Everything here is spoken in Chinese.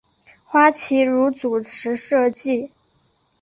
花琦如主持设计。